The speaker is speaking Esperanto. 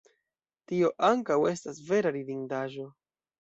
Tio ankaŭ estas vera ridindaĵo.